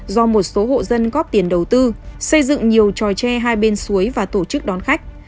do một số hộ dân góp tiền đầu tư xây dựng nhiều tròi tre hai bên suối và tổ chức đón khách